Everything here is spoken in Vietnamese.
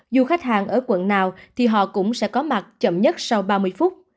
dù khách hàng ở quận nào thì họ cũng sẽ có mặt chậm nhất sau ba mươi phút